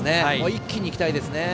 一気にいきたいですね。